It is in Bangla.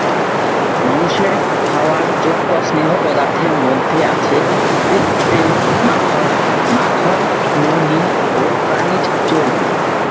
মানুষের খাওয়ার যোগ্য স্নেহ পদার্থের মধ্যে আছে কৃত্রিম মাখন, মাখন, ননী ও প্রাণীজ চর্বি।